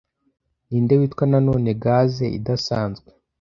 Ninde witwa nanone Gaz idasanzwe